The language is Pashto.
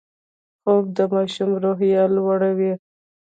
خوب د ماشوم روحیه لوړوي